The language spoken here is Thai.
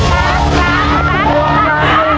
ภายในเวลา๓นาที